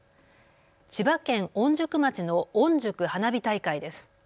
千葉県御宿町のおんじゅく花火大会です。